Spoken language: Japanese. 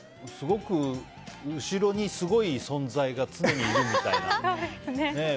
後ろにすごい存在が常にいるみたいな。